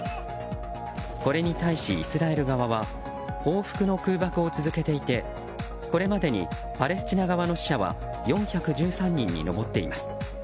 これに対し、イスラエル側は報復の空爆を続けていてこれまでにパレスチナ側の死者は４１３人に上っています。